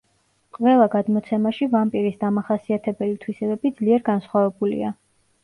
ყველა გადმოცემაში ვამპირის დამახასიათებელი თვისებები ძლიერ განსხვავებულია.